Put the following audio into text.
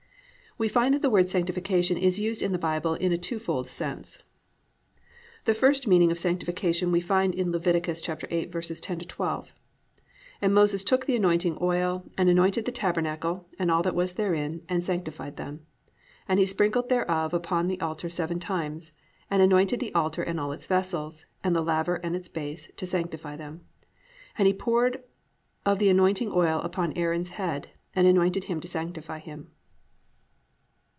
We shall find that the word Sanctification is used in the Bible in a two fold sense. (1) The first meaning of Sanctification we will find in Lev. 8:10 12, +"And Moses took the anointing oil, and anointed the tabernacle and all that was therein, and sanctified them. And he sprinkled thereof upon the altar seven times, and anointed the altar and all its vessels, and the laver and its base, to sanctify them. And he poured of the anointing oil upon Aaron's head and anointed him to sanctify him."